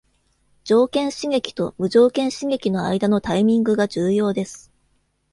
条件刺激と無条件刺激の間のタイミングが重要です。